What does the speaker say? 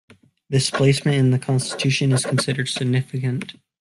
This placement in the Constitution is considered significant.